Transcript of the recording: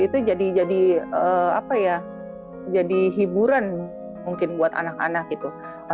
itu jadi hiburan mungkin buat anak anak gitu